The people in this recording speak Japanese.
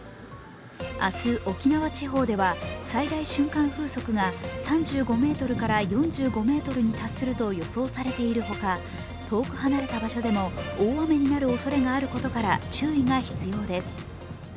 明日、沖縄地方では最大瞬間風速が３５メートルから４５メートルに達すると予想されているほか遠く離れた場所でも大雨になるおそれがあることから注意が必要です。